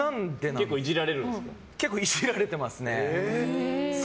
結構イジられてますね。